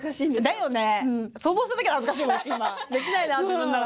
だよね！